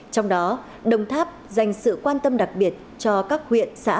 trong đó đồng tháp dành sự quan tâm đặc biệt cho các huyện xã